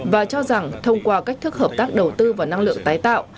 và cho rằng thông qua cách thức hợp tác đầu tư vào năng lượng tái tạo